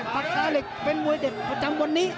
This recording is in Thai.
ปากกาเหล็กเป็นมวยเด็ดประจำวันนี้